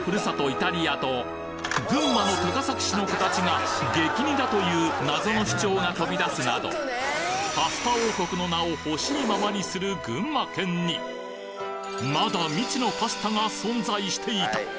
イタリアと群馬の高崎市の形が激似だという謎の主張が飛び出すなどパスタ王国の名を欲しいままにする群馬県にまだ存在していた。